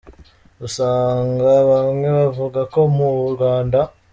Usanga bamwe bavuga ko mu Rwanda.